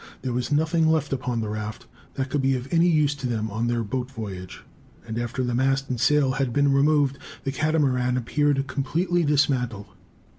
There was nothing left upon the raft that could be of any use to them on their boat voyage; and after the mast and sail had been removed, the Catamaran appeared completely dismantled.